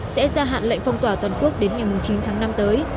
sẽ gia hạn lệnh phong tỏa toàn quốc đến ngày chín tháng năm tới